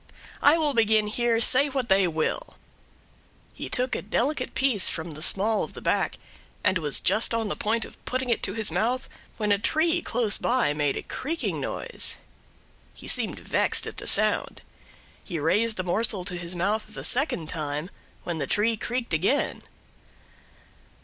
I will begin here, say what they will." He took a delicate piece from the small of the back, and was just on the point of putting it to his mouth when a tree close by made a creaking noise. He seemed vexed at the sound. He raised the morsel to his mouth the second time, when the tree creaked again.